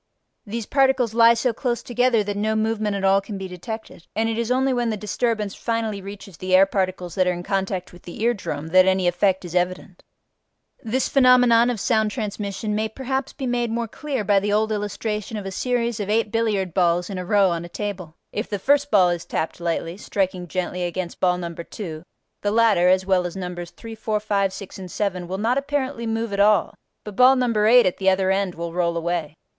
These particles lie so close together that no movement at all can be detected, and it is only when the disturbance finally reaches the air particles that are in contact with the ear drum that any effect is evident. This phenomenon of sound transmission may perhaps be made more clear by the old illustration of a series of eight billiard balls in a row on a table: if the first ball is tapped lightly, striking gently against ball number 2, the latter (as well as numbers 3, 4, 5, 6, and 7) will not apparently move at all, but ball number 8 at the other end will roll away.